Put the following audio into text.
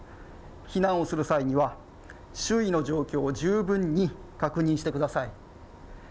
避難をする際には周囲の状況を十分に確認してください。